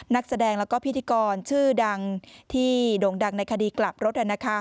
นักแสดงแล้วก็พิธีกรชื่อดังที่โด่งดังในคดีกลับรถ